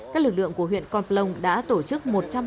các lực lượng của huyện con plông đã tổ chức